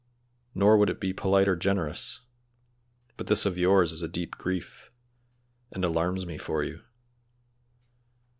"Nor would it be polite or generous; but this of yours is a deep grief, and alarms me for you.